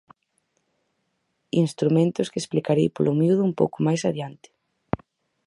Instrumentos que explicarei polo miúdo un pouco máis adiante.